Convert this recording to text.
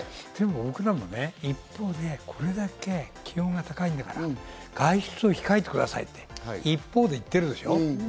僕らもね、一方で、これだけ気温が高いんだから、外出を控えてくださいって一方で言ってるでしょ？